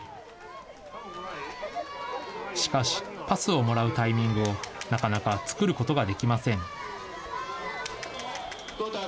しかし、パスをもらうタイミングを、なかなか作ることができません。